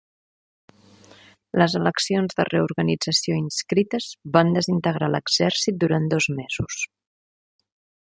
Les eleccions de reorganització inscrites van desintegrar l'exèrcit durant dos mesos.